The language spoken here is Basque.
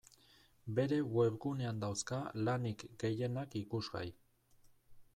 Bere webgunean dauzka lanik gehienak ikusgai.